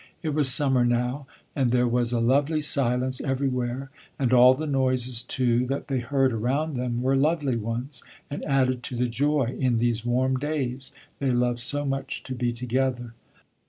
It was summer now, and there was a lovely silence everywhere, and all the noises, too, that they heard around them were lovely ones, and added to the joy, in these warm days, they loved so much to be together.